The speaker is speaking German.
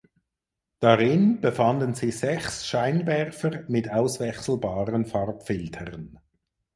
Darin befanden sich sechs Scheinwerfer mit auswechselbaren Farbfiltern.